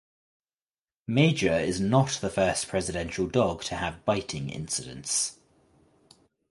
Major is not the first presidential dog to have biting incidents.